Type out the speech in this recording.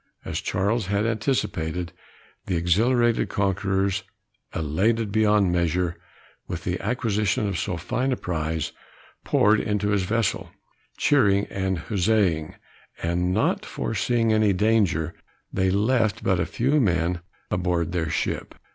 As Charles had anticipated, the exhilarated conquerors, elated beyond measure, with the acquisition of so fine a prize, poured into his vessel cheering and huzzaing; and not foreseeing any danger, they left but few men on board their ship.